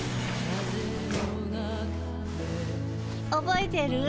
覚えてる？